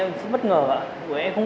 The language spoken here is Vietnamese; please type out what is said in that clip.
mày lừa tao đúng không